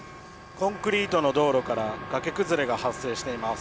コンクリートの道路から崖崩れが発生しています。